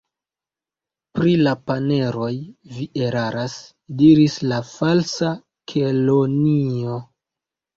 "Pri la paneroj vi eraras," diris la Falsa Kelonio.